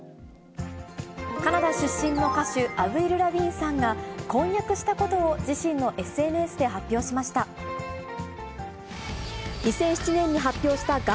カナダ出身の歌手、アヴリル・ラヴィーンさんが、婚約したことを自身のＳＮＳで発表しました。